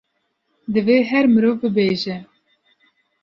divê her mirov bibêje